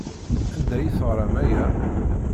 Anda ay teɣram aya?